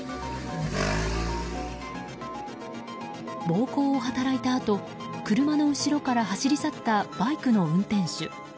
暴行を働いたあと車の後ろから走り去ったバイクの運転手。